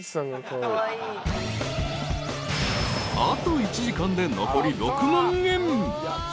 ［あと１時間で残り６万円］